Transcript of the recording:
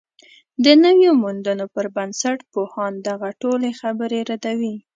د نویو موندنو پر بنسټ، پوهان دغه ټولې خبرې ردوي